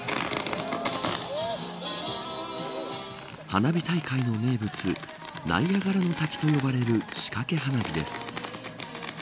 花火大会の名物ナイアガラの滝と呼ばれる仕掛け花火です。